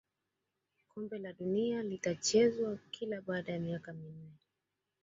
kombe la dunia linachezwa kila baada ya miaka minne